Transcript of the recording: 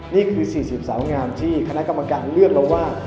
นี่คือ๔๐สาวงามที่คณะกรรมการเลือกแล้วว่า